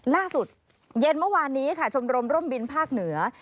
เย็นเมื่อวานนี้ค่ะชมรมร่มบินภาคเหนือ